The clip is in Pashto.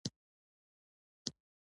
کله چې ارام شو نو په غرور یې وویل